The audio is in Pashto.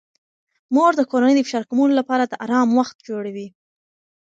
مور د کورنۍ د فشار کمولو لپاره د آرام وخت جوړوي.